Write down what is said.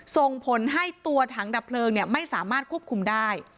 ส่งผลให้ตัวถังดับเพลิงไม่สามารถควบคุมได้